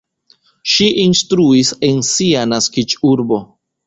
Ŝi instruis en sia naskiĝurbo.